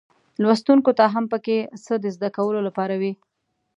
لوستونکو ته هم پکې څه د زده کولو لپاره وي.